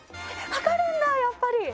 分かるんだ、やっぱり。